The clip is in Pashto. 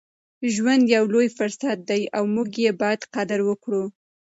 ژوند یو لوی فرصت دی او موږ یې باید قدر وکړو.